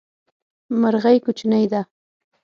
مرغی کوچنی ده